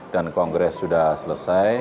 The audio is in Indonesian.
dan kongres sudah selesai